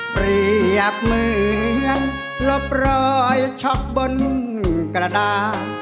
เปรียบเหมือนลบรอยช็อกบนกระดาษ